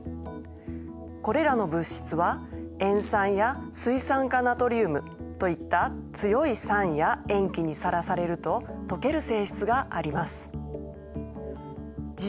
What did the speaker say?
これらの物質は塩酸や水酸化ナトリウムといった強い酸や塩基にさらされると溶ける性質があります。